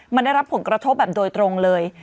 มันได้รับผลกระทบแบบโดยตรงเลย